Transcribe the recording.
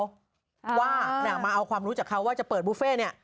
ว่ามาเอาความรู้จากเขาว่าจะเปิดบุฟเฟ่เนี่ย